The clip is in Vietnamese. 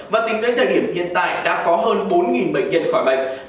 và tính đến thời điểm hiện tại đã có hơn bốn bệnh nhân khỏi bệnh